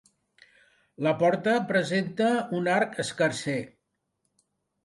La porta presenta un arc escarser.